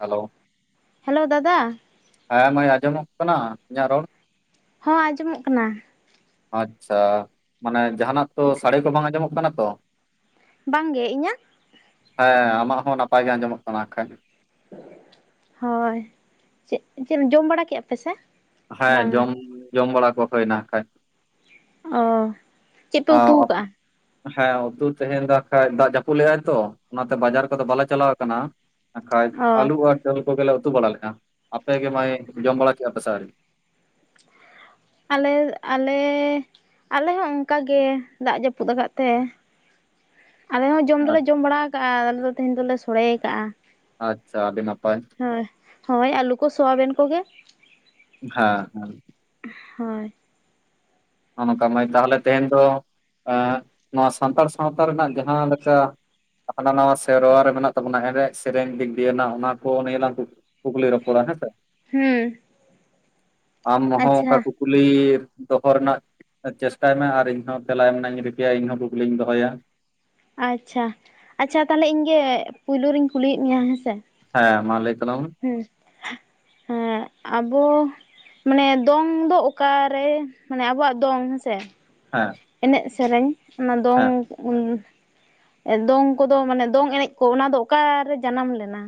Hello hello ᱫᱟᱫᱟ ᱾ ᱦᱮᱸ ᱢᱟᱭ ᱟᱸᱡᱚᱢᱚᱜ ᱠᱟᱱᱟ ᱤᱧᱟᱹᱜ ᱨᱚᱲ? ᱦᱚᱸ ᱟᱸᱡᱚᱢᱚᱜ ᱠᱟᱱᱟ ᱾ ᱟᱪᱪᱷᱟ, ᱢᱟᱱᱮ ᱡᱟᱦᱱᱟᱜ ᱛᱚ ᱥᱟᱲᱮ ᱠᱚ ᱵᱟᱝ ᱟᱸᱡᱚᱢᱚᱜ ᱠᱟᱱᱟ ᱛᱚ ᱾ ᱵᱟᱝ ᱜᱮ, ᱤᱧᱟᱹᱜ? ᱦᱮᱸ ᱟᱢᱟᱜ ᱦᱚᱸ ᱱᱟᱯᱟᱭ ᱜᱮ ᱟᱸᱡᱚᱢᱚᱜ ᱠᱟᱱᱟ ᱦᱟᱜ ᱠᱷᱟᱡ ᱾ ᱦᱳᱭ, ᱪᱮᱫ ᱪᱮᱫ ᱡᱚᱢ ᱵᱟᱲᱟ ᱠᱮᱫᱼᱟ ᱯᱮ ᱥᱮ? ᱦᱮᱸ ᱵᱟᱝᱟ ᱡᱚᱢ ᱡᱚᱢ ᱵᱟᱲᱟ ᱠᱚ ᱦᱩᱭ ᱮᱱᱟ ᱦᱟᱜ ᱠᱷᱟᱡ ᱾ ᱚ, ᱪᱮᱫ ᱯᱮ ᱩᱛᱩ ᱟᱠᱟᱜᱼᱟ? ᱦᱮᱸ ᱩᱛᱩ ᱛᱮᱦᱮᱸᱧ ᱫᱚ ᱦᱟᱜ ᱠᱷᱟᱡ ᱫᱟᱜ ᱡᱟᱹᱯᱩᱫ ᱞᱮᱜᱼᱟᱭ ᱛᱚ ᱚᱱᱟᱛᱮ ᱵᱟᱡᱟᱨ ᱠᱚᱫᱚ ᱵᱟᱞᱮ ᱪᱟᱞᱟᱣ ᱟᱠᱟᱱᱟ ᱾ ᱵᱟᱠᱷᱟᱡ ᱚ ᱟᱹᱞᱩ ᱟᱨ ᱫᱟᱹᱞ ᱠᱚᱜᱮ ᱞᱮ ᱩᱛᱩ ᱵᱟᱲᱟ ᱞᱮᱫᱼᱟ ᱾ ᱟᱯᱮ ᱜᱮ ᱢᱟᱹᱭ ᱡᱚᱢ ᱵᱟᱲᱟ ᱠᱮᱫᱼᱟ ᱯᱮ ᱟᱣᱹᱨᱤ? ᱟᱞᱮ ᱟᱞᱮ ᱟᱞᱮ ᱦᱚᱸ ᱚᱱᱠᱟ ᱜᱮ ᱫᱟᱜ ᱡᱟᱹᱯᱩᱫ ᱟᱠᱟᱫ ᱛᱮ ᱾ ᱟᱞᱮ ᱦᱚᱸ ᱡᱚᱢ ᱫᱚᱞᱮ ᱡᱚᱢ ᱵᱟᱲᱟ ᱟᱠᱟᱜᱼᱟ ᱾ ᱟᱞᱮ ᱫᱚ ᱛᱮᱦᱮᱧ ᱫᱚᱞᱮ ᱥᱳᱲᱮ ᱟᱠᱟᱜᱼᱟ ᱾ ᱟᱪᱪᱷᱟ ᱟᱹᱰᱤ ᱱᱟᱯᱟᱭ ᱾ ᱦᱳᱭ, ᱦᱳᱭ ᱟᱹᱞᱩ ᱠᱚ ᱥᱚᱣᱟᱵᱮᱱ ᱠᱚᱜᱮ ᱾ ᱦᱮᱸ ᱦᱮᱸ ᱾ ᱦᱳᱭ ᱾ ᱱᱚᱜ-ᱚ ᱱᱚᱝᱠᱟ ᱢᱟᱹᱭ ᱾ ᱛᱟᱦᱚᱞᱮ ᱛᱮᱦᱮᱧ ᱫᱚ ᱮᱸᱻ ᱱᱚᱣᱟ ᱥᱟᱱᱛᱟᱲ ᱥᱟᱶᱛᱟ ᱨᱮᱱᱟᱜ ᱡᱟᱦᱟᱸ ᱞᱮᱠᱟ ᱦᱟᱱᱟ ᱱᱟᱣᱟ ᱥᱮᱨᱣᱟ ᱨᱮ ᱢᱮᱱᱟᱜ ᱛᱟᱵᱚᱱᱟ, ᱮᱱᱮᱡ ᱥᱮᱨᱮᱧ ᱫᱤᱜᱽ ᱫᱤᱭᱟᱹᱱᱟᱜ ᱚᱱᱟ ᱠᱚ ᱱᱤᱭᱟᱹ ᱞᱟᱝ ᱠᱩᱠ ᱠᱩᱠᱞᱤ ᱨᱚᱯᱚᱲᱟ ᱦᱮᱸ ᱥᱮ ᱾ ᱦᱩᱸ ᱾ ᱟᱢ ᱦᱚᱸ ᱚᱱᱠᱟ ᱠᱩᱠᱞᱤ ᱫᱚᱦᱚ ᱨᱮᱱᱟᱜ ᱪᱮᱥᱴᱟᱭ ᱢᱮ ᱟᱨ ᱤᱧ ᱦᱚᱸ ᱛᱮᱞᱟ ᱮᱢ ᱨᱮᱱᱟᱜ ᱤᱧ ᱨᱤᱠᱟᱹᱭᱟ, ᱤᱧᱦᱚᱸ ᱠᱩᱠᱞᱤᱧ ᱫᱚᱦᱚᱭᱟ ᱾ ᱟᱪᱪᱷᱟ, ᱟᱪᱪᱷᱟ ᱛᱟᱦᱚᱞᱮ ᱤᱧ ᱜᱮ ᱯᱩᱭᱞᱩ ᱨᱤᱧ ᱠᱩᱞᱤᱭᱮᱫ ᱢᱮᱭᱟ ᱦᱮᱸ ᱥᱮ ᱾ ᱦᱮᱸ ᱢᱟ ᱞᱟᱹᱭ ᱛᱟᱞᱟᱝ ᱢᱮ ᱾ ᱦᱩᱸ, ᱦᱮᱸ ᱟᱵᱚ ᱢᱟᱱᱮ ᱫᱚᱝ ᱫᱚ ᱚᱠᱟ ᱨᱮ ᱢᱟᱱᱮ ᱟᱵᱚᱣᱟᱜ ᱫᱚᱝ ᱦᱮᱸ ᱥᱮ ᱦᱮᱸ, ᱮᱱᱮᱜ ᱥᱮᱨᱮᱧ ᱚᱱᱟ ᱫᱚᱝ, ᱦᱮᱸ ᱫᱚᱝ ᱠᱚᱫᱚ ᱢᱟᱱᱮ ᱫᱚᱝ ᱮᱱᱮᱜ ᱠᱚ ᱚᱱᱟ ᱫᱚ ᱚᱠᱟᱨᱮ ᱡᱟᱱᱟᱢ ᱞᱮᱱᱟ?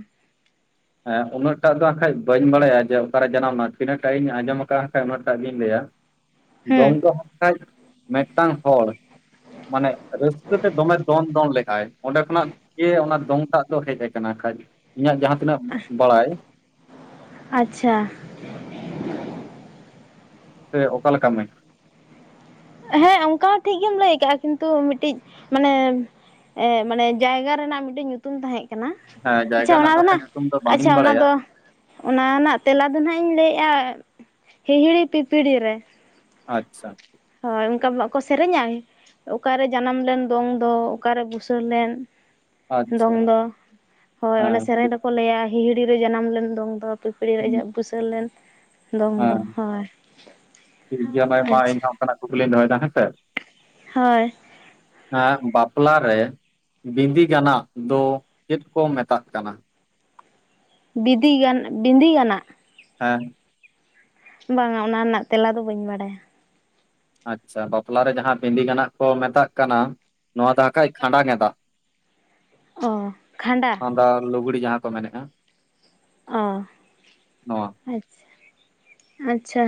ᱦᱮᱸ ᱩᱱᱟᱹᱜ ᱴᱟᱜ ᱫᱚ ᱠᱷᱟᱭ ᱵᱟᱹᱧ ᱵᱟᱲᱟᱭᱟ ᱡᱮ ᱚᱠᱟᱨᱮ ᱡᱟᱱᱟᱢ‌ ᱞᱮᱱᱟ ᱛᱤᱱᱟᱹᱜ ᱴᱟᱜ ᱤᱧ ᱟᱸᱡᱚᱢ ᱟᱠᱟᱫᱼᱟ ᱠᱷᱟᱭ ᱩᱱᱟᱹᱜ ᱴᱟᱜ ᱜᱤᱧ ᱞᱟᱹᱭᱟ᱾ [inaudible] ᱫᱚᱝ ᱫᱚ ᱢᱮᱱ ᱠᱷᱟᱭ ᱢᱤᱫᱴᱟᱝ ᱦᱚᱲ, ᱢᱟᱱᱮ ᱨᱟᱹᱥᱠᱟᱹᱛᱮ ᱫᱚᱢᱮ ᱫᱚᱱ ᱫᱚᱱ ᱞᱮᱫᱟᱭ ᱚᱸᱰᱮ ᱠᱷᱚᱱᱟᱜ ᱜᱮ ᱚᱱᱟ ᱫᱚᱝ ᱴᱟᱜ, ᱫᱚ ᱦᱮᱜ ᱟᱠᱟᱱᱟ ᱠᱷᱟᱡ ᱤᱧᱟᱹᱜ ᱡᱟᱦᱟᱸ ᱛᱤᱱᱟᱹᱜ ᱵᱟᱲᱟᱭ᱾ ᱟᱪᱪᱷᱟ, ᱥᱮ ᱚᱠᱟ ᱞᱮᱠᱟ ᱢᱟᱹᱭ, ᱦᱮᱸ ᱚᱱᱠᱟ ᱦᱚᱸ ᱴᱷᱤᱠ ᱜᱮᱢ ᱞᱟᱹᱭ ᱠᱟᱜᱼᱟ ᱠᱤᱱᱛᱩ ᱢᱤᱫᱴᱤᱡ ᱢᱟᱱᱮ, ᱮᱸ ᱢᱟᱱᱮ ᱡᱟᱭᱜᱟ ᱨᱮᱱᱟᱜ ᱢᱤᱫᱴᱮᱱ ᱧᱩᱛ ᱛᱩᱢ ᱛᱟᱦᱮᱸ ᱠᱟᱱᱟ ᱦᱮᱸ ᱟᱪᱪᱷᱟ ᱡᱟᱭᱜᱟ ᱚᱱᱟ ᱨᱮᱱᱟᱜ ᱫᱚ ᱦᱟᱸᱜ ᱱᱟ ᱠᱷᱟᱡ ᱧᱩᱛᱩᱢ ᱫᱚ ᱟᱪᱪᱷᱟ ᱵᱟᱝᱤᱧ ᱚᱱᱟ ᱵᱟᱲᱟᱭᱟ ᱫᱚ, ᱚᱱᱟ ᱨᱮᱱᱟᱜ ᱛᱮᱞᱟ ᱫᱚ ᱱᱟᱦᱟᱜ ᱤᱧ ᱞᱟᱹᱭᱮᱜᱼᱟ ᱦᱤᱦᱤᱲᱤ ᱯᱤᱯᱤᱲᱤ ᱨᱮ, ᱟᱪᱪᱷᱟ, ᱦᱳᱭ ᱚᱱᱠᱟ ᱵᱟᱠᱚ ᱥᱮᱨᱮᱧᱟᱭ, ᱚᱠᱟᱨᱮ ᱡᱟᱱᱟᱢ ᱞᱮᱱ ᱫᱚᱝ ᱫᱚ ᱚᱠᱟᱨᱮ ᱵᱩᱥᱟᱹᱲ ᱞᱮᱱ, ᱟᱪᱪᱷᱟ ᱫᱚᱝ ᱫᱚ ᱦᱳᱭ ᱚᱱᱟ ᱦᱮᱸ ᱟᱫᱚ ᱥᱮᱨᱮᱧ ᱫᱚᱠᱚ ᱞᱟᱹᱭᱟ, ᱦᱤᱦᱤᱲᱤ ᱨᱮ ᱡᱟᱱᱟᱢ ᱞᱮᱱ ᱫᱚᱝ ᱫᱚ ᱯᱤᱯᱤᱲᱤ ᱨᱮ ᱦᱩᱸ ᱟᱡᱟᱜ ᱵᱩᱥᱟᱹᱲ ᱞᱮᱱ, ᱫᱚᱝ ᱫᱚ ᱦᱮᱸ ᱦᱳᱭ ᱴᱷᱤᱠ ᱜᱮᱭᱟ ᱢᱟᱼᱢᱟ ᱟᱪᱪᱷᱟ ᱤᱧᱦᱚᱸ ᱚᱱᱠᱟᱱᱟᱜ ᱠᱩᱠᱞᱤᱧ ᱫᱚᱦᱚᱭᱮᱫᱟ ᱦᱮᱸᱥᱮ᱾ ᱦᱳᱭ, ᱟᱨ ᱵᱟᱯᱞᱟ ᱨᱮ, ᱵᱸᱤᱫᱤ ᱜᱟᱱᱟᱜ ᱫᱚ ᱪᱮᱫ ᱠᱚ ᱢᱮᱛᱟᱜ ᱠᱟᱱᱟ? ᱵᱤᱫᱤ ᱜᱟᱱ ᱵᱸᱤᱫᱤ ᱜᱟᱱᱟᱜ, ᱦᱮᱸ, ᱵᱟᱝᱟ ᱚᱱᱟ ᱨᱮᱱᱟᱜ ᱛᱮᱞᱟ ᱫᱚ ᱵᱟᱹᱧ ᱵᱟᱰᱟᱭᱟ᱾ ᱟᱪᱪᱷᱟ ᱵᱟᱯᱞᱟᱨᱮ ᱡᱟᱦᱟᱸ ᱵᱤᱸᱫᱤ ᱜᱮᱱᱟᱜ ᱠᱚ ᱢᱮᱛᱟᱜ ᱠᱟᱱᱟ ᱱᱚᱣᱟ ᱫᱚ ᱠᱷᱟᱡ ᱠᱷᱟᱸᱰᱟ ᱱᱮᱸᱱᱫᱟ᱾ ᱚ ᱠᱷᱟᱸᱰᱟ, ᱰᱟ ᱞᱩᱜᱽᱲᱤ ᱡᱟᱦᱟᱸ ᱠᱚ ᱢᱮᱱᱮᱜᱼᱟ᱾ ᱚ ᱱᱚᱣᱟ ᱟᱪᱪᱷᱟ ᱟᱪᱪᱷᱟ᱾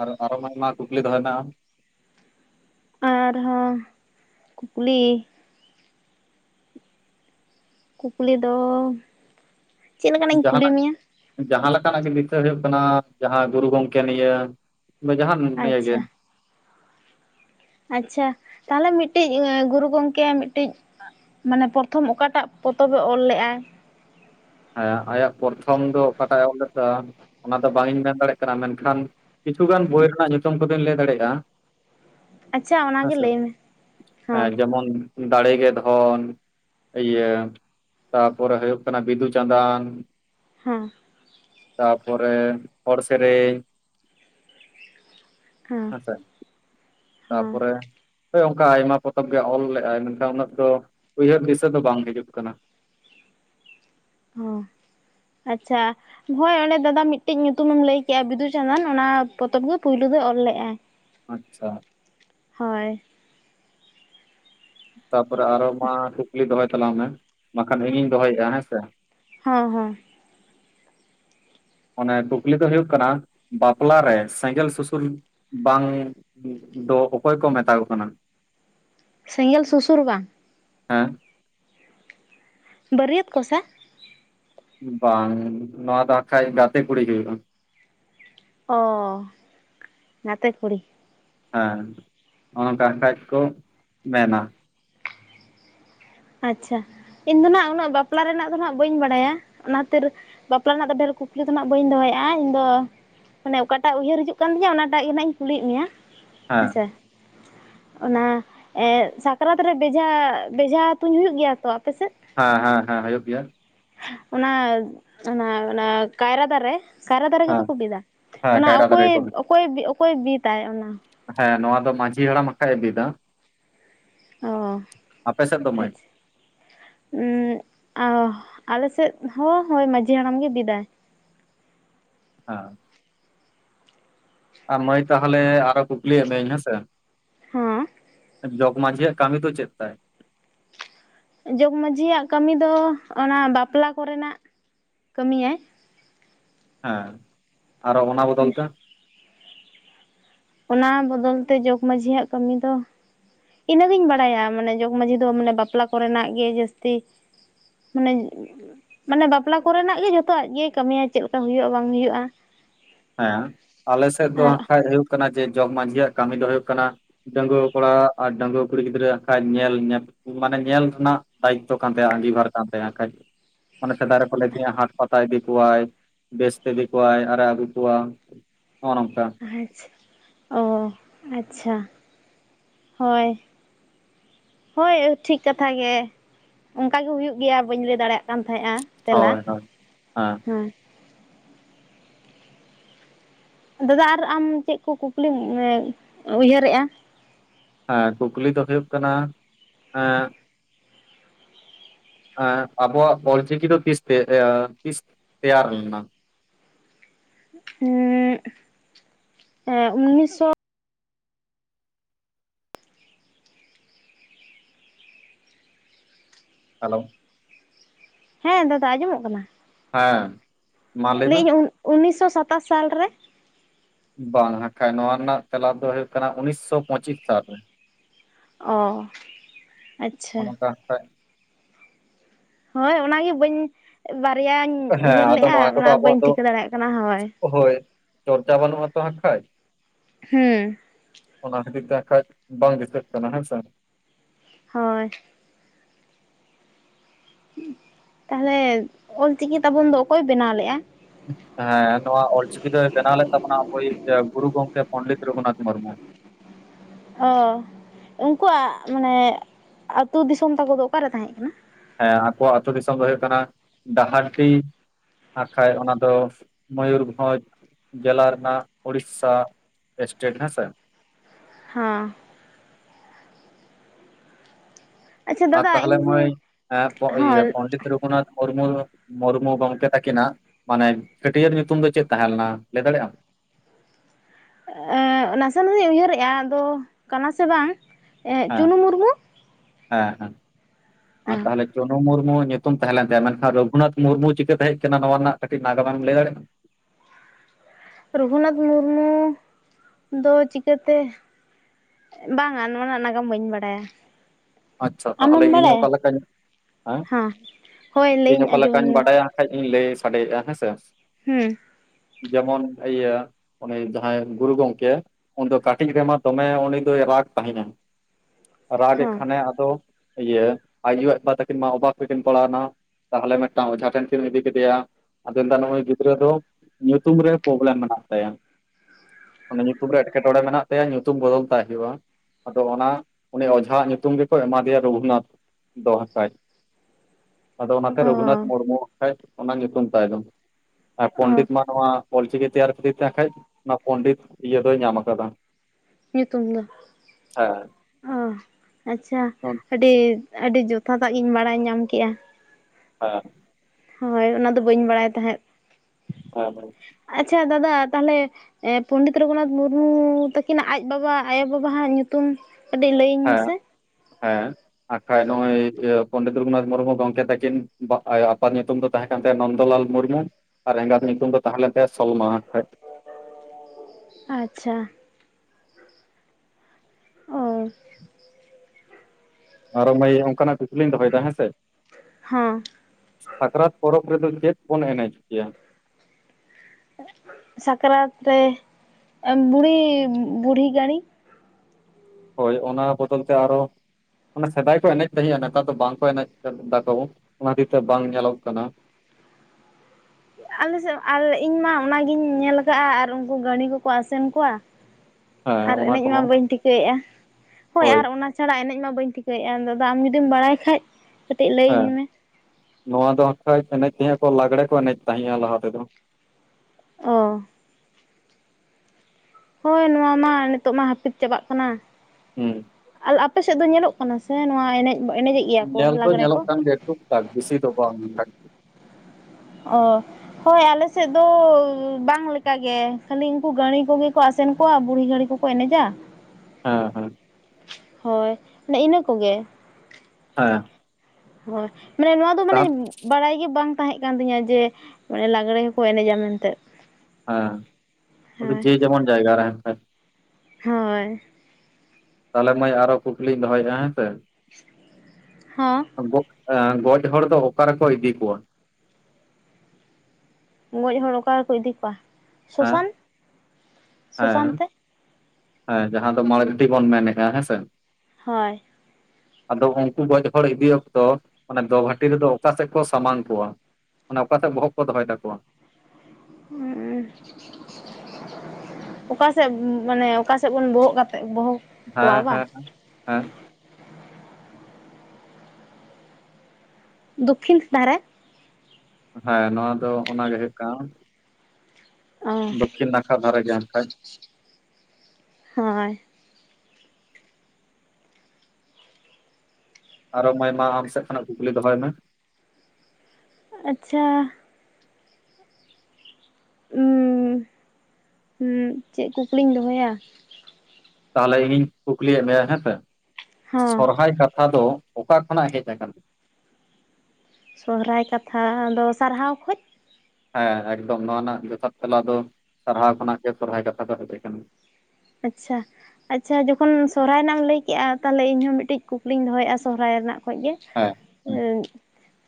ᱟᱨ ᱟᱨᱚ ᱢᱟ ᱠᱩᱠᱞᱤ ᱫᱚᱦᱚᱭ ᱢᱮ ᱟᱢ, ᱟᱨᱦᱚᱸ ᱠᱩᱠᱞᱤ, ᱠᱩᱠᱞᱤ ᱫᱚ ᱪᱮᱫ ᱞᱮᱠᱟᱱᱟᱜ ᱤᱧ ᱠᱩᱞᱤ ᱡᱟᱦᱟᱱᱟᱜ ᱢᱮᱭᱟ? ᱡᱟᱦᱟᱸ ᱞᱮᱠᱟᱱᱟᱜ ᱜᱮ ᱫᱤᱥᱟᱹ ᱦᱩᱭᱩᱜ ᱠᱟᱱᱟ ᱡᱟᱦᱟᱸ ᱜᱩᱨᱩ ᱜᱚᱝᱠᱮ ᱱᱤᱭᱟᱹ ᱡᱟᱦᱟᱱ ᱱᱤᱭᱟᱹᱜᱮ᱾ ᱟᱪᱪᱷᱟ ᱟᱪᱪᱷᱟ ᱛᱟᱦᱚᱞᱮ ᱢᱤᱫᱴᱤᱡ ᱜᱩᱨᱩ ᱜᱚᱝᱠᱮ ᱭᱟᱜ ᱢᱤᱫᱴᱤᱡ ᱢᱟᱱᱮ ᱯᱨᱚᱛᱷᱚᱢ ᱚᱠᱟᱴᱟᱜ ᱯᱚᱛᱚᱵᱮ ᱚᱞ ᱞᱮᱜᱼᱟ? ᱦᱮᱸ ᱟᱭᱟᱜ ᱯᱨᱛᱷᱚᱢ ᱫᱚ ᱚᱠᱟᱴᱟᱜ ᱚᱞ ᱞᱮᱫᱟ, ᱚᱱᱟ ᱫᱚ ᱵᱟᱝ ᱤᱧ ᱢᱮᱱ ᱫᱟᱲᱮᱭᱟᱜ ᱠᱟᱱᱟ ᱢᱮᱱᱠᱷᱟᱱ ᱠᱤᱪᱷᱩᱩᱜᱟᱱ ᱵᱳᱭ ᱨᱮᱱᱟᱜ ᱧᱩᱛᱩᱢ ᱠᱚᱫᱚᱧ ᱞᱟᱹᱭ ᱫᱟᱲᱮᱭᱟᱜᱼᱟ᱾ ᱟᱪᱪᱷᱟ ᱚᱱᱟᱜᱮ ᱦᱮᱸᱥᱮ ᱞᱟᱹᱭ ᱢᱮ ᱦᱚᱸ ᱦᱮᱸ ᱡᱮᱢᱚᱱ, ᱫᱟᱲᱮᱜᱮ ᱫᱷᱚᱱ ᱤᱭᱟᱹ ᱛᱟᱯᱚᱨᱮ ᱦᱩᱭᱩᱜ ᱠᱟᱱᱟ ᱵᱤᱫᱩ, ᱪᱚᱱᱫᱟᱱ᱾ ᱦᱮᱸ, ᱛᱟᱯᱚᱨᱮ ᱦᱚᱲ ᱥᱮᱨᱮᱧ, ᱦᱚᱸ ᱦᱮᱸᱥᱮ ᱦᱚᱸ ᱛᱟᱯᱚᱨᱮ, ᱦᱳᱭ ᱚᱱᱠᱟ ᱟᱭᱢᱟ ᱯᱚᱛᱚᱵ ᱜᱮ ᱚᱞ ᱞᱮᱜᱟᱭ ᱢᱮᱱᱠᱷᱟᱱ ᱩᱱᱟᱹᱜ ᱫᱚ ᱩᱭᱦᱟᱹᱨ ᱫᱤᱥᱟᱹ ᱫᱚ ᱵᱟᱝ ᱦᱤᱡᱩᱜ ᱠᱟᱱᱟ᱾ ᱦᱩᱸ ᱟᱪᱪᱷᱟ ᱦᱳᱭ ᱚᱸᱰᱮ ᱫᱟᱫᱟ ᱢᱤᱫᱴᱮᱡ ᱧᱩᱛᱩᱢᱮᱢ ᱞᱟᱹᱭ ᱠᱮᱜᱼᱟ ᱵᱤᱫᱩᱼᱪᱟᱸᱫᱟᱱ ᱚᱱᱟ ᱯᱚᱛᱚᱵ ᱜᱮ ᱯᱳᱭᱞᱳ ᱫᱚᱭ ᱚᱞ ᱞᱮᱫᱟᱭ ᱟᱪᱪᱷᱟ ᱦᱳᱭ ᱛᱟᱯᱚᱨᱮ ᱟᱨᱚ ᱢᱟ ᱠᱩᱠᱞᱤ ᱫᱚᱦᱚᱭ ᱛᱟᱞᱟᱝ ᱢᱮ ᱵᱟᱠᱷᱟᱱ ᱤᱧᱤᱧ ᱫᱚᱦᱚᱭᱮᱫᱼᱟ ᱦᱮᱸᱥᱮ ᱦᱚᱸᱻᱦᱚᱸᱻ ᱚᱱᱮ ᱠᱩᱠᱞᱤ ᱫᱚ ᱦᱩᱭᱩᱜ ᱠᱟᱱᱟ ᱵᱟᱯᱞᱟ ᱨᱮ ᱥᱮᱸᱜᱮᱞ ᱥᱩᱥᱩᱨ ᱵᱟᱸᱠ ᱫᱚ ᱚᱠᱚᱭ ᱠᱚ ᱢᱮᱛᱟ ᱠᱚ ᱠᱟᱱᱟ᱾ ᱥᱮᱸᱜᱮᱞ ᱥᱩᱥᱩᱨ ᱵᱟᱸᱠ ᱦᱮᱸ ᱵᱟᱹᱨᱭᱟᱹᱛ ᱠᱚᱥᱟ ᱵᱟᱝ ᱱᱚᱣᱟ ᱫᱚ ᱟᱠᱷᱟᱡ ᱜᱟᱛᱮ ᱠᱩᱲᱤ ᱦᱩᱭᱩᱜᱼᱟ᱾ ᱚ ᱜᱟᱛᱮ ᱠᱩᱲᱤ ᱦᱮᱸ ᱚᱱᱮ ᱠᱷᱟᱡ ᱠᱚ ᱢᱮᱱᱟ ᱟᱪᱪᱷᱟ ᱤᱧ ᱫᱚ ᱱᱷᱟᱜ ᱩᱱᱟᱹᱜ ᱵᱟᱯᱞᱟ ᱨᱮᱱᱟᱜ ᱫᱚ ᱱᱷᱟᱜ ᱵᱟᱹᱧ ᱵᱟᱲᱟᱭᱟ ᱚᱱᱟ ᱠᱷᱟᱹᱛᱤᱨ ᱵᱟᱯᱞᱟ ᱨᱮᱱᱟᱜ ᱫᱚ ᱰᱷᱮᱨ ᱠᱩᱠᱞᱤ ᱫᱚ ᱱᱟᱦᱟᱸᱜ ᱵᱟᱹᱧ ᱫᱚᱦᱚᱭᱮᱜᱼᱟ ᱤᱧᱫᱚ ᱢᱟᱱᱮ ᱚᱠᱟᱴᱟᱜ ᱩᱭᱦᱟᱹᱨ ᱦᱤᱡᱩᱜ ᱠᱟᱱ ᱛᱤᱧᱟᱹ ᱚᱱᱟᱴᱟᱜ ᱜᱮ ᱱᱟᱦᱟᱜ ᱤᱧ ᱠᱩᱞᱤᱭᱮᱫ ᱢᱮᱭᱟ ᱦᱮᱸ ᱦᱮᱸᱥᱮ ᱚᱱᱟ ᱮᱸ ᱥᱟᱠᱨᱟᱛ ᱨᱮ ᱵᱮᱡᱷᱟ ᱵᱮᱡᱷᱟ ᱛᱩᱧ ᱦᱩᱭᱩᱜ ᱜᱮᱭᱟ ᱛᱚ ᱟᱯᱮᱥᱮᱫ ᱦᱮᱸ ᱦᱮᱸ ᱦᱮᱸ ᱦᱩᱭᱩᱜ ᱜᱮᱭᱟ᱾ ᱚᱱᱟ ᱚᱱᱟ ᱚᱱᱟ ᱠᱟᱭᱨᱟ ᱫᱟᱨᱮ ᱠᱟᱭᱨᱟ ᱫᱟᱨᱮ ᱜᱮᱛᱚ ᱦᱮᱸ ᱠᱚ ᱵᱤᱫᱟ ᱦᱮᱸ ᱚᱱᱟ ᱠᱟᱭᱨᱟ ᱫᱟᱨᱮ ᱚᱠᱚᱭᱮ ᱠᱚ ᱚᱠᱚᱭᱮ ᱚᱠᱚᱭᱮ ᱵᱤᱫᱟᱭ ᱚᱱᱟ ᱦᱮᱸ ᱱᱚᱣᱟ ᱫᱚ ᱢᱟᱺᱡᱷᱤ ᱦᱟᱲᱟᱢ ᱦᱟᱸᱠᱷᱟᱡ ᱮ ᱵᱤᱫᱟ ᱚ ᱟᱯᱮ ᱥᱮᱫ ᱫᱚ ᱢᱟᱹᱭ ᱟᱪᱪᱷᱟ [unintelligible] ᱳᱦ ᱟᱞᱮ ᱥᱮᱫ ᱦᱚᱸ ᱦᱚᱭ ᱢᱟᱺᱡᱷᱤ ᱦᱟᱲᱟᱢ ᱜᱮ ᱵᱤᱫᱟᱭ ᱦᱮᱸ ᱟᱨ ᱢᱟᱹᱭ ᱛᱟᱦᱚᱞᱮ ᱟᱨᱦᱚ ᱠᱩᱠᱞᱤᱭᱮᱫ ᱢᱮᱭᱟᱹᱧ ᱦᱮᱸᱥᱮ ᱦᱮᱸ ᱡᱚᱜᱽ ᱢᱟᱺᱡᱷᱤᱭᱟᱜ ᱠᱟᱹᱢᱤ ᱫᱚ ᱪᱮᱫ ᱛᱟᱭ ᱡᱚᱜᱽ ᱢᱟᱺᱡᱷᱤᱭᱟᱜ ᱠᱟᱹᱢᱤ ᱫᱚ ᱚᱱᱟ ᱵᱟᱯᱞᱟ ᱠᱚᱨᱮᱱᱟᱜ ᱠᱟᱹᱢᱤᱭᱟᱭ ᱦᱮᱸ ᱟᱨᱚ ᱚᱱᱟ ᱵᱚᱫᱚᱞ ᱛᱮ ᱚᱱᱟ ᱵᱚᱫᱚᱞ ᱛᱮ ᱡᱚᱜᱽ ᱢᱟᱺᱡᱷᱤᱭᱟᱜ ᱠᱟᱹᱢᱤ ᱫᱚ ᱤᱱᱟᱹᱜᱤᱧ ᱵᱟᱲᱟᱭᱟ ᱢᱟᱱᱮ ᱡᱚᱜᱽ ᱢᱟᱺᱡᱷᱤ ᱫᱚ ᱢᱟᱱᱮ ᱵᱟᱯᱞᱟ ᱠᱚᱨᱮᱱᱟᱜ ᱜᱮ ᱡᱟᱹᱥᱛᱤ ᱢᱟᱱᱮ ᱢᱟᱱᱮ ᱵᱟᱯᱞᱟ ᱠᱚᱨᱮᱱᱟᱜ ᱜᱮ ᱡᱷᱚᱛᱚ ᱟᱡᱜᱮᱭ ᱠᱟᱹᱢᱤᱭᱟ ᱪᱮᱫ ᱞᱮᱠᱟ ᱦᱩᱭᱩᱜᱼᱟ᱾ ᱵᱟᱝ ᱦᱩᱭᱩᱜᱼᱟ? ᱦᱮᱸ ᱟᱞᱮ ᱥᱮᱫ ᱫᱚ ᱟᱨ ᱵᱟᱝᱠᱷᱟᱡ ᱦᱩᱭᱩᱜ ᱠᱟᱱᱟ ᱡᱮ ᱡᱚᱜᱽ ᱢᱟᱺᱡᱷᱤᱭᱟᱜ ᱠᱟᱹᱢᱤ ᱫᱚ ᱦᱩᱭᱩᱜ ᱠᱟᱱᱟ᱾ ᱰᱟᱺᱜᱩᱣᱟᱹ ᱠᱚᱲᱟ ᱟᱨ ᱰᱟᱺᱜᱩᱣᱟᱹ ᱠᱩᱲᱤ ᱜᱤᱫᱽᱨᱟᱹ ᱦᱟᱸᱜᱠᱷᱟᱡ ᱧᱮᱞ ᱧᱮᱯ ᱢᱟᱱᱮ ᱧᱮᱞ ᱨᱮᱱᱟᱜ ᱫᱟᱭᱤᱛᱭᱚ ᱠᱟᱱ ᱛᱟᱭᱟ ᱟᱸᱜᱤᱵᱷᱟᱨ ᱠᱟᱱ ᱛᱟᱭᱟ ᱦᱟᱸᱜᱠᱷᱟᱡ ᱚᱱᱮ ᱥᱮᱫᱟᱭ ᱨᱮᱠᱚ ᱞᱟᱹᱭ ᱠᱮᱜᱼᱟ ᱦᱟᱸᱴ ᱯᱟᱛᱟᱭ ᱤᱫᱤ ᱠᱚᱣᱟᱭ ᱵᱮᱥ ᱛᱮ ᱤᱫᱤ ᱠᱚᱣᱟᱭ ᱟᱨᱮ ᱟᱹᱜᱩ ᱠᱚᱣᱟ ᱱᱚᱜᱼᱚᱭ ᱱᱚᱝᱠᱟ ᱟᱪᱷᱟ ᱚ ᱟᱪᱪᱷᱟ ᱦᱚᱭ ᱦᱳᱭ ᱴᱷᱤᱠ ᱠᱟᱛᱷᱟ ᱜᱮ ᱚᱱᱠᱟ ᱜᱮ ᱦᱩᱭᱩᱜ ᱜᱮᱭᱟ ᱵᱟᱹᱧ ᱞᱟᱹᱭ ᱫᱟᱲᱮᱭᱟᱜ ᱠᱟᱱ ᱛᱟᱦᱮᱸᱫᱼᱟ ᱛᱮᱞᱟ ᱦᱳᱭ ᱦᱳᱭ ᱦᱮᱸ ᱫᱟᱫᱟ ᱟᱨ ᱟᱢ ᱪᱮᱫ ᱠᱚ ᱠᱩᱠᱞᱤᱢ ᱩᱭᱦᱟᱹᱨᱮᱜᱼᱟ᱾ ᱦᱮᱸ ᱠᱩᱠᱞᱤ ᱫᱚ ᱦᱩᱭᱩᱜ ᱠᱟᱱᱟ ᱮᱸᱜ ᱮᱸ ᱟᱵᱚᱣᱟᱜ ᱚᱞ ᱪᱤᱠᱤ ᱫᱚ ᱛᱤᱥ ᱛᱮ, ᱮᱸ ᱛᱤᱥ ᱛᱮᱭᱟᱨ ᱞᱮᱱᱟ? ᱮᱸᱜ ᱮᱸ ᱩᱱᱤᱥᱥᱚ ᱦᱮᱞᱳ ᱦᱮᱸ ᱫᱟᱫᱟ ᱟᱸᱡᱚᱢᱚᱜ ᱠᱟᱱᱟ? ᱦᱮᱸ᱾ ᱢᱟ ᱞᱟᱹᱭ ᱢᱮ ᱞᱟᱹᱭᱮᱜ-ᱤᱧ ᱩᱱᱤᱥᱥᱚ ᱥᱟᱛᱟᱥ ᱥᱟᱞᱨᱮ᱾ ᱵᱟᱝ ᱦᱟᱸᱜ‌ ᱠᱷᱟᱡ ᱱᱚᱣᱟ ᱨᱮᱱᱟᱜ ᱛᱮᱞᱟ ᱫᱚ ᱦᱩᱭᱩᱜ ᱠᱟᱱᱟ ᱩᱱᱤᱥᱥᱚ ᱯᱚᱸᱪᱤᱥ ᱥᱟᱞ ᱨᱮ᱾ ᱚ, ᱟᱪ ᱟᱫᱚ ᱦᱟᱸᱜ ᱠᱷᱟᱡ ᱦᱳᱭ ᱚᱱᱟᱜᱮ ᱵᱟᱹᱧ ᱵᱟᱨᱭᱟᱧ ᱦᱮᱸ ᱩᱭᱦᱟᱹᱨ ᱟᱫᱚ ᱞᱮᱜ-ᱟ ᱱᱚᱣᱟ ᱠᱚᱫᱚ ᱚᱱᱟ ᱟᱵᱚᱣᱟᱜ ᱵᱟᱹᱧ ᱫᱚ ᱴᱷᱤᱠᱟᱹ ᱫᱟᱲᱮᱭᱟᱜ ᱠᱟᱱᱟ ᱦᱳᱭ᱾ ᱦᱳᱭ᱾ ᱪᱚᱨᱪᱟ ᱵᱟᱱᱩᱜ-ᱟᱛᱚ ᱦᱟᱸᱜ ᱠᱷᱟᱡ᱾ ᱦᱩᱸ᱾ ᱚᱱᱟ ᱠᱷᱟᱹᱤᱨ ᱛᱮ ᱦᱟᱸᱜ ᱠᱷᱟᱡ ᱵᱟᱝ ᱫᱤᱥᱟᱹᱜ ᱠᱟᱱᱟ ᱦᱮᱸ ᱥᱮ᱾ ᱦᱳᱭ᱾ ᱛᱟᱦᱞᱮ ᱚᱞᱪᱤᱠᱤ ᱛᱟᱵᱚᱱ ᱫᱚ ᱚᱠᱚᱭ ᱵᱮᱱᱟᱣ ᱞᱮᱜ-ᱟ? ᱦᱮᱸ ᱱᱚᱣᱟ ᱚᱞᱪᱤᱠᱤ ᱫᱚᱭ ᱵᱮᱱᱟᱣ ᱞᱮᱫ ᱛᱟᱵᱚᱱᱟ ᱟᱵᱚᱭᱤᱡ ᱜᱩᱨᱩ ᱜᱚᱝᱠᱮ ᱯᱚᱱᱰᱤᱛ ᱨᱚᱜᱷᱩᱱᱟᱛᱷ ᱢᱩᱨᱢᱩ᱾ ᱚᱻ ᱩᱝᱠᱩᱣᱟᱜ ᱢᱟᱱᱮ ᱟᱹᱛᱩ ᱫᱤᱥᱚᱢ ᱛᱟᱠᱚ ᱫᱚ ᱚᱠᱟᱨᱮ ᱛᱟᱦᱮᱸ ᱠᱟᱱᱟ? ᱦᱮᱸ ᱟᱠᱚᱣᱟᱜ ᱟᱛᱳ ᱫᱤᱥᱚᱢ ᱫᱚ ᱦᱩᱭᱩᱜ ᱠᱟᱱᱟ ᱰᱟᱦᱟᱨᱰᱤ ᱦᱟᱸᱜ ᱠᱷᱟᱡ ᱚᱱᱟ ᱫᱚ ᱢᱚᱭᱩᱨᱵᱷᱚᱸᱡᱽ ᱡᱮᱞᱟ ᱨᱮᱱᱟᱜ ᱩᱲᱤᱥᱥᱟ ᱥᱴᱮᱹᱴ ᱦᱮᱸ ᱥᱮ᱾ ᱦᱟᱸ᱾ ᱟᱪᱪᱷᱟ ᱟᱨ ᱫᱟᱫᱟ ᱛᱟᱦᱞᱮ ᱢᱟᱭ ᱤᱧ ᱮᱸ ᱛᱚ ᱤᱭᱟᱹ ᱦᱚᱸ ᱯᱚᱱᱰᱤᱛ ᱨᱩᱜᱷᱩᱱᱟᱛᱽ ᱢᱩᱨᱢᱩ, ᱢᱩᱨᱢᱩ ᱜᱚᱝᱠᱮ ᱛᱟᱠᱤᱱᱟᱜ ᱢᱟᱱᱮ ᱪᱷᱟᱹᱴᱤᱭᱟᱹᱨ ᱧᱩᱛᱩᱢ ᱫᱚ ᱪᱮᱫ ᱛᱟᱦᱮᱸ ᱞᱮᱱᱟ ᱞᱟᱹᱭ ᱫᱟᱲᱮᱜ-ᱟᱢ? ᱮᱸᱜ, ᱱᱟᱥᱮ ᱱᱟᱜ ᱤᱧ ᱩᱭᱦᱟᱹᱨᱮᱜ-ᱟ ᱟᱫᱚ ᱠᱟᱱᱟ ᱥᱮ ᱵᱟᱝ ᱮᱸ ᱦᱮᱸ ᱪᱩᱱᱩ ᱢᱩᱨᱢᱩ᱾ ᱦᱮᱸ ᱦᱮᱸ ᱟᱨ ᱛᱟᱦᱞᱮ ᱡᱚᱱᱚ ᱢᱩᱨᱢᱩᱣᱟᱜ ᱧᱩᱛᱩᱢ ᱛᱟᱦᱮᱸ ᱞᱮᱱ ᱛᱟᱭᱟ ᱪᱩᱱᱩ ᱪᱩᱱᱩ ᱢᱩᱨᱢᱩ ᱧᱩᱛᱩᱢ ᱛᱟᱦᱮᱸ ᱞᱮᱱᱛᱟᱭᱟ, ᱢᱮᱱᱠᱷᱟᱱ ᱨᱚᱜᱷᱩᱱᱟᱛᱷ ᱢᱩᱨᱢᱩ ᱪᱤᱠᱟᱹᱛᱮ ᱦᱮᱡ ᱠᱟᱱᱟ ᱱᱚᱣᱟ ᱨᱮᱱᱟᱜ ᱠᱟᱹᱴᱤᱡ ᱱᱟᱜᱟᱢᱮᱢ ᱞᱟᱹᱭ ᱫᱟᱲᱮᱭᱟᱜ-ᱟ? ᱨᱩᱜᱷᱩᱱᱟᱛᱷ ᱢᱩᱨᱢᱩ ᱫᱚ ᱪᱤᱠᱟᱹᱛᱮ? ᱵᱟᱝᱟ ᱱᱚᱣᱟ ᱨᱮᱱᱟᱜ ᱱᱟᱜᱟᱢ ᱵᱟᱹᱧ ᱵᱟᱲᱟᱭᱟ᱾ ᱟᱪᱪᱷᱟ ᱛᱟᱦᱞᱮ ᱟᱢᱮᱢ ᱤᱧ ᱚᱠᱟ ᱞᱮᱠᱟᱧ ᱦᱮᱸ, ᱦᱳᱭ ᱤᱧ ᱞᱟᱹᱭᱟᱹᱧ ᱚᱠᱟ ᱞᱮᱠᱟᱧ ᱟᱸᱡᱚᱢᱟᱹᱧ ᱢᱮ ᱵᱟᱰᱟᱭᱟ ᱠᱟᱺᱡ ᱤᱧ ᱞᱟᱹᱭ ᱥᱟᱰᱮᱭᱮᱜ-ᱟ, ᱦᱮᱸ ᱥᱮ? ᱦᱩᱸ᱾ ᱡᱮᱢᱚᱱ ᱤᱭᱟᱹ ᱩᱱᱤ ᱡᱟᱦᱟᱸᱭ ᱜᱩᱨᱩ ᱜᱚᱝᱠᱮ ᱩᱱ ᱫᱚ ᱠᱟᱹᱴᱤᱡ ᱨᱮᱢᱟ ᱫᱚᱢᱮ ᱩᱱᱤ ᱫᱚᱭ ᱨᱟᱜᱽ ᱛᱟᱦᱮᱸᱡ-ᱟ᱾ ᱨᱟᱜᱮᱜ ᱦᱮᱸ ᱠᱷᱟᱱᱮ ᱟᱫᱚ ᱤᱭᱟᱹ ᱟᱡ ᱟᱭᱩ ᱟᱡ ᱵᱟ ᱛᱟᱹᱠᱤᱱ ᱢᱟ ᱚᱵᱟᱠ ᱨᱮᱠᱤᱱ ᱯᱟᱲᱟᱣᱱᱟ᱾ ᱛᱟᱦᱞᱮ ᱢᱮᱫᱴᱟᱝ ᱚᱡᱷᱟ ᱴᱷᱮᱱ ᱠᱤᱱ ᱤᱫᱤ ᱠᱮᱫᱮᱭᱟ᱾ ᱟᱫᱚᱭ ᱞᱟᱹᱭᱫᱟ ᱱᱩᱭ ᱜᱤᱫᱽᱨᱟᱹ ᱫᱚ ᱧᱩᱛᱩᱢ ᱨᱮ ᱯᱨᱚᱵᱞᱮᱢ ᱢᱮᱱᱟᱜ ᱛᱟᱭᱟ᱾ ᱚᱱᱮ ᱧᱩᱛᱩᱢ ᱨᱮ ᱮᱴᱠᱮᱴᱚᱬᱮ ᱢᱮᱱᱟᱜ ᱛᱟᱭᱟ ᱧᱩᱛᱩᱢ ᱵᱚᱫᱚᱞ ᱛᱟᱭ ᱦᱩᱭᱩᱜ-ᱟ᱾ ᱟᱫᱚ ᱚᱱᱟ ᱩᱱᱤ ᱚᱡᱷᱟᱣᱟᱜ ᱧᱩᱛᱩᱢ ᱜᱮᱠᱚ ᱮᱢᱟ ᱫᱮᱭᱟ ᱨᱚᱜᱷᱩᱱᱟᱛᱷ ᱫᱚ ᱦᱟᱸᱜ ᱠᱷᱟᱡ᱾ ᱟᱫᱚ ᱚᱱᱟᱛᱮ ᱚ ᱨᱚᱜᱷᱩᱱᱟᱛᱷ ᱢᱩᱨᱢᱩ ᱦᱟᱸᱜ ᱠᱷᱟᱡ ᱚᱱᱟ ᱧᱩᱛᱩᱢ ᱛᱟᱭ ᱫᱚ᱾ ᱟᱨ ᱚ ᱯᱚᱱᱰᱤᱛ ᱢᱟ ᱱᱚᱣᱟ ᱚᱞᱪᱤᱠᱤ ᱛᱮᱭᱟᱨ ᱠᱷᱟᱛᱤᱨ ᱛᱮ ᱦᱟᱸᱜ ᱠᱷᱟᱡ ᱱᱚᱣᱟ ᱯᱚᱱᱰᱤᱛ ᱤᱭᱟᱹ ᱫᱚᱭ ᱧᱟᱢᱟᱠᱟᱫᱟ᱾ ᱧᱩᱛᱩᱢ ᱫᱚ᱾ ᱦᱮᱸ ᱚ, ᱟᱪᱪᱷᱟ ᱦᱮᱸ ᱟᱹᱰᱤ ᱟᱹᱰᱤ ᱡᱚᱛᱷᱟᱛᱟᱜ ᱜᱤᱧ ᱵᱟᱲᱟᱭ ᱧᱟᱢ ᱠᱮᱜ-ᱟ᱾ ᱦᱮᱸ᱾ ᱦᱳᱭ ᱚᱱᱟ ᱫᱚ ᱵᱟᱹᱧ ᱵᱟᱲᱟᱭ ᱛᱟᱦᱮᱸᱫ ᱦᱮᱸ ᱢᱟᱹᱭ ᱟᱪᱪᱷᱟ ᱫᱟᱫᱟ ᱛᱟᱞᱦᱮ ᱮ ᱯᱚᱱᱰᱤᱛ ᱨᱚᱜᱷᱩᱱᱟᱛᱷ ᱢᱩᱨᱢᱩᱻ ᱛᱟᱹᱠᱤᱱᱟᱜ ᱟᱡ ᱵᱟᱵᱟ ᱟᱭᱳᱼᱵᱟᱵᱟᱦᱟᱜ ᱧᱩᱛᱩᱢ ᱠᱟᱹᱴᱤᱡ ᱞᱟᱹᱭᱟᱹᱧ ᱦᱮᱸ ᱢᱮᱥᱮ ᱦᱮᱸ ᱟᱠᱷᱟᱡ ᱱᱚᱜᱼᱚᱭ ᱤᱭᱟᱹ ᱯᱚᱱᱰᱤᱛ ᱨᱚᱜᱷᱩᱱᱟᱛᱷ ᱢᱩᱨᱢᱩ ᱜᱚᱢᱠᱮ ᱛᱟᱹᱠᱤᱱ ᱟᱯᱟᱛ ᱧᱩᱛᱩᱢ ᱫᱚ ᱛᱟᱦᱮᱸ ᱠᱟᱱ ᱛᱟᱭᱟ ᱱᱚᱱᱫᱚᱞᱟᱞ ᱢᱩᱨᱢᱩ ᱟᱨ ᱮᱸᱜᱟᱛ ᱧᱩᱛᱩᱢ ᱫᱚ ᱛᱟᱦᱮᱸᱞᱱ ᱛᱟᱭᱟ ᱥᱚᱞᱢᱟ ᱟᱠᱷᱟᱡ ᱟᱪᱪᱷᱟ ᱚ ᱟᱨᱚ ᱢᱟᱹᱭ ᱚᱱᱠᱟᱱᱟᱜ ᱠᱩᱠᱤᱞᱤᱧ ᱫᱚᱦᱚᱭ ᱫᱟ ᱦᱮᱸ ᱥᱮ ᱦᱚᱸ ᱥᱟᱠᱨᱟᱛ ᱯᱚᱨᱚᱵᱽ ᱨᱮᱫᱚ ᱪᱮᱫ ᱵᱚᱱ ᱮᱱᱮᱡᱽ ᱜᱮᱭᱟ? ᱥᱟᱠᱨᱟᱛ ᱨᱮ ᱮᱸ ᱵᱩᱲᱤ ᱵᱩᱲᱦᱤ ᱜᱟᱹᱲᱤ ᱦᱳᱭ ᱚᱱᱟ ᱵᱚᱫᱚᱞ ᱛᱮ ᱟᱨᱚ ᱚᱱᱟ ᱥᱮᱫᱟᱭ ᱠᱚ ᱮᱱᱮᱡ ᱛᱟᱦᱤᱡᱼᱟ ᱱᱮᱛᱟᱨ ᱫᱚ ᱵᱟᱝᱠᱚ ᱮᱱᱮᱡ ᱫᱟᱛᱚ ᱚᱱᱟ ᱠᱷᱟᱛᱤᱨ ᱛᱮ ᱵᱟᱝ ᱧᱮᱞᱚᱜ ᱠᱟᱱᱟ ᱟᱞᱮ ᱥᱮᱫ ᱟᱞᱮ ᱤᱧᱢᱟ ᱚᱱᱟᱜᱤᱧ ᱧᱮᱞ ᱠᱟᱜᱼᱟ ᱟᱨ ᱩᱱᱠᱩ ᱜᱟᱹᱰᱤ ᱠᱚᱠᱚ ᱟᱥᱮᱱ ᱠᱚᱣᱟ ᱦᱮᱸ ᱟᱨ ᱚᱱᱟ ᱮᱱᱮᱡ ᱠᱚᱦᱚᱸ ᱢᱟ ᱵᱟᱹᱧ ᱴᱷᱤᱠᱟᱹᱭᱮᱫᱼᱟ ᱦᱳᱭ ᱟᱨ ᱚᱱᱟ ᱪᱷᱟᱲᱟ ᱮᱱᱮᱡ ᱢᱟ ᱵᱟᱹᱧ ᱴᱷᱤᱠᱟᱹᱭᱮᱫᱼᱟ ᱫᱟᱫᱟ ᱟᱢ ᱡᱩᱫᱤᱢ ᱵᱟᱲᱟᱭ ᱠᱷᱟᱡ ᱠᱟᱹᱴᱤᱡ ᱞᱟᱹᱭᱟᱹᱧ ᱦᱮᱸ ᱢᱮ ᱱᱚᱣᱟ ᱫᱚ ᱦᱟᱸᱜ ᱠᱷᱟᱡ ᱮᱱᱮᱡ ᱛᱟᱦᱤᱡᱼᱟ ᱠᱚ ᱞᱟᱜᱽᱲᱮ ᱠᱚ ᱮᱱᱮᱡ ᱛᱟᱦᱮᱸᱜᱼᱟ ᱞᱟᱦᱟ ᱛᱮᱫᱚ ᱚ ᱦᱳᱭ ᱱᱚᱣᱟ ᱢᱟ ᱱᱤᱛᱚᱜ ᱢᱟ ᱦᱟᱯᱤᱫ ᱪᱟᱵᱟᱜ ᱠᱟᱱᱟ ᱦᱩᱸ ᱟᱨ ᱟᱯᱮ ᱥᱮᱫ ᱫᱚ ᱧᱮᱞᱚᱜ ᱠᱟᱱᱟ ᱥᱮ ᱱᱚᱣᱟ ᱮᱱᱮᱡᱽ ᱮᱱᱮᱡᱽ ᱮᱜ ᱧᱮᱞ ᱫᱚ ᱧᱮᱞᱚᱜ ᱠᱟᱱ ᱜᱮᱭᱟ ᱴᱩᱠ ᱴᱟᱠ ᱵᱮᱥᱤ ᱫᱚ ᱵᱟᱝ ᱟᱠᱷᱟᱡ ᱚ ᱦᱳᱭ ᱟᱞᱮᱥᱮᱫ ᱫᱚᱻ ᱵᱟᱝᱞᱮᱠᱟ ᱜᱮ ᱠᱷᱟᱹᱞᱤ ᱩᱱᱠᱩ ᱜᱟᱺᱲᱤ ᱠᱚᱜᱮ ᱠᱚ ᱟᱥᱮᱱ ᱠᱚᱣᱟ ᱵᱩᱲᱦᱤ ᱜᱟᱺᱲᱤ ᱠᱚ ᱠᱚ ᱮᱱᱮᱡᱟ ᱦᱮᱸ ᱦᱮᱸ ᱦᱳᱭ ᱤᱱᱟᱹ ᱠᱚᱜᱮ ᱦᱮᱸ ᱦᱳᱭ ᱢᱟᱱᱮ ᱱᱚᱣᱟ ᱫᱚ ᱢᱟᱱᱮ ᱛᱟᱦ ᱵᱟᱲᱟᱭ ᱜᱮ ᱵᱟᱝ ᱛᱟᱦᱮᱸᱜ ᱠᱟᱱ ᱛᱤᱧᱟᱹ ᱡᱮ ᱞᱟᱜᱽᱲᱮ ᱦᱚᱸᱠᱚ ᱮᱱᱮᱡᱟ ᱢᱮᱱᱛᱮ ᱦᱮᱸ ᱦᱳᱭ ᱡᱮ ᱡᱮᱢᱚᱱ ᱡᱟᱭᱜᱟ ᱨᱮ ᱟᱠᱷᱟᱡ ᱦᱳᱭ ᱛᱟᱞᱦᱮ ᱢᱟᱹᱭ ᱟᱨᱚ ᱠᱩᱠᱞᱤᱧ ᱫᱚᱦᱚᱭᱮᱫᱟ ᱦᱮᱸᱥᱮ ᱦᱚᱸ ᱜᱚᱜ ᱜᱚᱡ ᱦᱚᱲ ᱫᱚ ᱚᱠᱟ ᱨᱮᱠᱚ ᱤᱫᱤ ᱠᱚᱣᱟ? ᱜᱚᱡ ᱦᱚᱲ ᱚᱠᱟ ᱨᱮᱠᱚ ᱤᱫᱤ ᱠᱚᱣᱟ ᱦᱮᱸ ᱥᱚᱥᱟᱱ ᱥᱚᱥᱟᱱ ᱦᱮᱸ ᱛᱮ ᱦᱮᱸ ᱡᱟᱦᱟᱸ ᱫᱚ ᱢᱟᱲᱜᱷᱟᱴᱤ ᱵᱚᱱ ᱢᱮᱱᱮᱫᱼᱟ ᱦᱮᱸᱥᱮ ᱦᱳᱭ ᱟᱫᱚ ᱩᱱᱠᱩ ᱜᱚᱡ ᱦᱚᱲ ᱤᱫᱤ ᱚᱠᱛᱚ ᱚᱱᱮ ᱫᱚ ᱵᱷᱟᱹᱴᱤ ᱨᱮᱫᱚ ᱚᱠᱟ ᱥᱮᱫ ᱠᱚ ᱥᱟᱢᱟᱝ ᱠᱚᱣᱟ ᱢᱟᱱᱮ ᱚᱠᱟᱥᱮᱫ ᱵᱚᱦᱚᱜ ᱠᱚ ᱫᱚᱦᱚᱭ ᱛᱟᱠᱚᱣᱟ? ᱦᱩᱸ ᱚᱠᱟ ᱥᱮᱫ ᱢᱟᱱᱮ ᱚᱠᱟ ᱥᱮᱫ ᱵᱚᱱ ᱵᱚᱦᱚᱜ ᱠᱟᱛᱮ ᱵᱚᱦᱚᱜ ᱠᱚᱣᱟ ᱦᱮᱸ ᱵᱟᱝ ᱦᱮᱸ ᱦᱮᱸ ᱫᱚᱠᱷᱤᱱ ᱫᱷᱟᱨᱮ ᱦᱮᱸ ᱱᱚᱣᱟ ᱫᱚ ᱚᱱᱟᱜᱮ ᱦᱩᱭᱩᱜ ᱠᱟᱱᱟ᱾ ᱚ ᱫᱚᱠᱠᱷᱤᱱ ᱱᱟᱠᱷᱟ ᱫᱷᱟᱨᱮ ᱜᱮ ᱦᱟᱜ ᱠᱷᱟᱡ ᱦᱳᱭ ᱟᱨᱚ ᱢᱟᱹᱭ ᱢᱟ ᱟᱢ ᱥᱮᱫ ᱠᱷᱚᱱᱟᱜ ᱠᱩᱠᱞᱤ ᱫᱚᱦᱚᱭ ᱢᱮ ᱟᱪᱪᱷᱟ ᱚᱩ ᱦᱩᱸ ᱪᱮᱫ ᱠᱩᱠᱞᱤᱧ ᱫᱚᱦᱚᱭᱟ? ᱛᱟᱦᱮᱞᱮ ᱤᱧ ᱠᱩᱠᱞᱤᱭᱮᱫ ᱢᱮᱭᱟ ᱦᱮᱸᱥᱮ ᱦᱚᱸ ᱥᱚᱨᱦᱟᱭ ᱠᱟᱛᱷᱟ ᱫᱚ ᱚᱠᱟ ᱠᱷᱚᱱᱟᱜ ᱦᱮᱸᱡ ᱟᱠᱟᱱᱟ? ᱥᱚᱦᱚᱨᱟᱭ ᱠᱟᱛᱷᱟ ᱫᱚ ᱥᱟᱨᱦᱟᱣ ᱠᱷᱚᱡ ᱦᱮᱸ ᱮᱠᱫᱚᱢ ᱱᱚᱣᱟ ᱨᱮᱱᱟᱜ ᱡᱚᱛᱷᱟᱛ ᱛᱮᱞᱟ ᱫᱚ ᱥᱟᱨᱦᱟᱣ ᱠᱷᱚᱱᱟᱜ ᱜᱮ ᱥᱚᱨᱦᱟᱭ ᱠᱟᱛᱷᱟ ᱫᱚ ᱦᱮᱸᱡ ᱠᱟᱱᱟ᱾ ᱟᱪᱪᱷᱟ ᱟᱪᱪᱷᱟ ᱡᱚᱠᱷᱚᱱ ᱥᱚᱨᱦᱟᱭ ᱨᱮᱱᱟᱜ ᱮᱢ ᱞᱟᱹᱭ ᱠᱮᱜ-ᱟ ᱛᱟᱦᱚᱞᱮ ᱤᱧᱦᱚᱸ ᱢᱤᱫᱴᱤᱡ ᱠᱩᱠᱞᱤᱧ ᱫᱚᱦᱚᱭᱮᱫ-ᱟ ᱥᱚᱨᱦᱟᱭ ᱨᱮᱱᱟᱜ ᱠᱷᱚᱡ ᱜᱮ ᱦᱮᱸ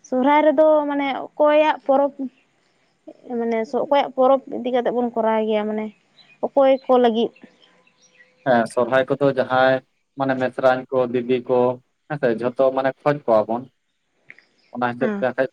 ᱥᱚᱦᱨᱟᱭ ᱨᱮᱫᱚ ᱢᱟᱱᱮ ᱚᱠᱚᱭᱟᱜ ᱯᱚᱨᱚᱵᱽ ᱢᱟᱱᱮ ᱚᱠᱚᱭᱟᱜ ᱯᱚᱨᱚᱵᱽ ᱤᱫᱤ ᱠᱟᱛᱮᱜ ᱵᱚᱱ ᱠᱚᱨᱟᱣ ᱜᱮᱭᱟ ᱢᱟᱱᱮ ᱚᱠᱚᱭ ᱠᱚ ᱞᱟᱹᱜᱤᱫ ᱦᱮᱸ ᱥᱚᱨᱦᱟᱭ ᱠᱚᱫᱚ ᱡᱟᱦᱟᱸᱭ ᱢᱟᱱᱮ ᱢᱮᱥᱨᱟᱧ ᱠᱚ ᱫᱤᱫᱤ ᱠᱚ ᱦᱮᱸᱥᱮ ᱡᱷᱚᱛᱚ ᱢᱟᱱᱮ ᱠᱷᱚᱡ ᱠᱚᱣᱟ ᱵᱚᱱ ᱚᱱᱟ ᱦᱤᱥᱟᱹᱵ ᱦᱮᱸ ᱛᱮ ᱵᱟᱠᱷᱟᱡ